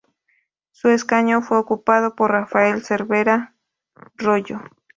Su escaño fue ocupado por Rafael Cervera Royo.